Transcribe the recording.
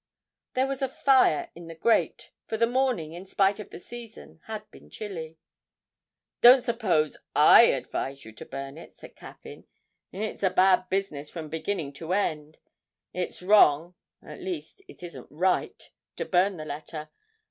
There was a fire in the grate, for the morning, in spite of the season, had been chilly. 'Don't suppose I advise you to burn it,' said Caffyn. 'It's a bad business from beginning to end it's wrong (at least it isn't right) to burn the letter.